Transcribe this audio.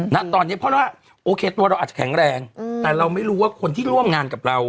ณตอนนี้เพราะว่าโอเคตัวเราอาจจะแข็งแรงแต่เราไม่รู้ว่าคนที่ร่วมงานกับเรา